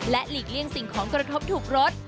หลีกเลี่ยงสิ่งของกระทบถูกรถ